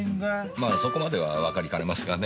まあそこまではわかりかねますがね。